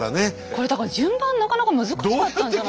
これだから順番なかなか難しかったんじゃないですか？